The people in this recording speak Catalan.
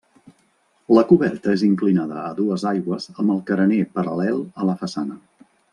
La coberta és inclinada a dues aigües amb el carener paral·lel a la façana.